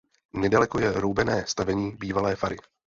Nedaleko je roubené stavení bývalé fary.